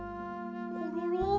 コロロ？